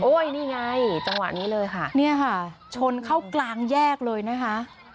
นี่ไงจังหวะนี้เลยค่ะเนี่ยค่ะชนเข้ากลางแยกเลยนะคะ